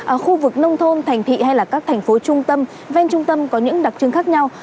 ở khu vực nông thôn thành thị hay là các thành phố trung tâm ven trung tâm có những đặc trưng khác nhau